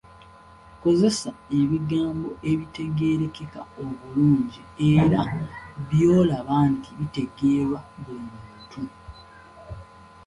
Kozesa ebigambo ebitegeerekeka obulungi era by'olaba nti bitegeerwa buli muntu.